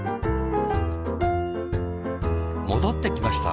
もどってきました